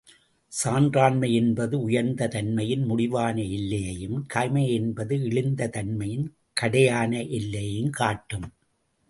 சான்றாண்மை என்பது உயர்ந்த தன்மையின் முடிவான எல்லையையும், கயமை என்பது இழிந்த தன்மையின் கடையான எல்லையையும் காட்டும்.